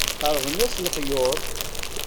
Xerben-as lexyuḍ.